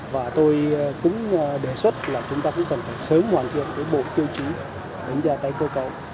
và tôi cũng đề xuất là chúng ta cũng cần phải sớm hoàn thiện cái bộ tiêu chí đến gia tài cơ cầu